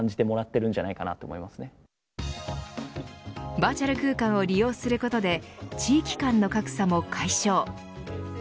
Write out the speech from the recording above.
バーチャル空間を利用することで地域間の格差も解消。